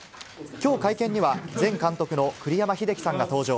きょう会見には、前監督の栗山英樹さんが登場。